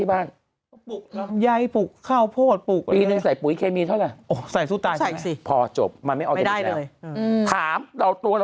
ไม่มีบอกไหมครับ